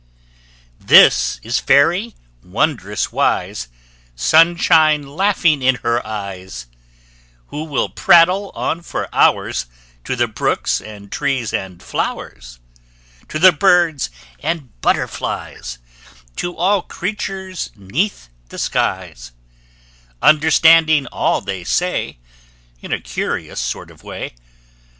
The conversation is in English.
This is Fairy, wondrous wise, Sunshine laughing in her eyes, Who will prattle on for hours To the brooks and trees and flowers, To the birds and butterflies, To all creatures 'neath the skies, Understanding all they say In a curious sort of way!